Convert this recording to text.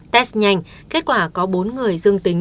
test nhanh kết quả có bốn người dương tính